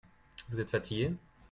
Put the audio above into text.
Vous êtes fatigué ?